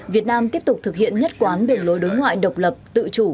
việt nam tiếp tục thực hiện nhất quán đường lối đối ngoại độc lập tự chủ